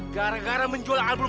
gara gara menjual album